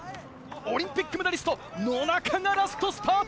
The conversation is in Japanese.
オリンピックメダリスト野中がラストスパート！